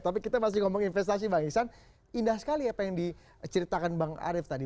tapi kita masih ngomong investasi bang iksan indah sekali apa yang diceritakan bang arief tadi